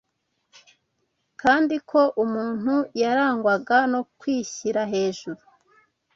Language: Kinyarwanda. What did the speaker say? kandi ko umuntu yarangwaga no kwishyira hejuru